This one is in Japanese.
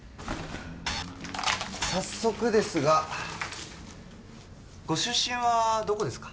早速ですがご出身はどこですか？